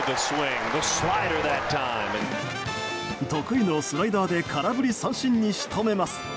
得意のスライダーで空振り三振に仕留めます。